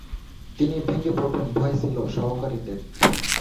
তিনি ভেঙ্গে পড়বেন ভয় ছিল সহকারীদের।